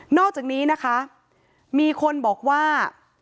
อกจากนี้นะคะมีคนบอกว่า